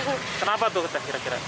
kenapa tuh kira kira